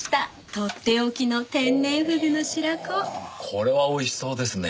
これはおいしそうですね。